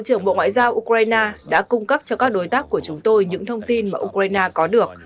bộ ngoại giao ukraine đã cung cấp cho các đối tác của chúng tôi những thông tin mà ukraine có được